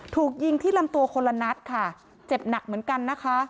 ถูกยิงที่ลำตัวคนละนัดค่ะเจ็บหนักเหมือนกันนะคะ